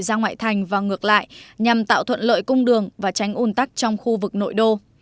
ra ngoại thành và ngược lại nhằm tạo thuận lợi cung đường và tránh ồn tắc trong khu vực nội đô